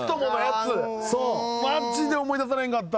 マジで思い出されへんかった。